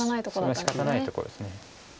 それはしかたないとこです。